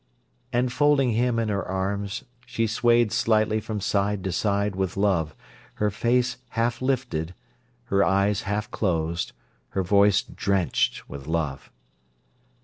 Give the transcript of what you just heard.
And, folding him in her arms, she swayed slightly from side to side with love, her face half lifted, her eyes half closed, her voice drenched with love.